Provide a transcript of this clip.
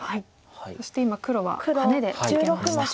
そして今黒はハネで受けました。